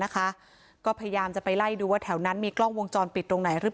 หาเบาะแสนะคะก็พยายามจะไปไล่ดูว่าแถวนั้นมีกล้องวงจรปิดตรงไหนหรือ